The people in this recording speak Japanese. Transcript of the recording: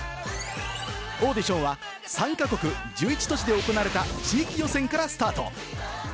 オーディションは３か国１１都市で行われた地域予選からスタート。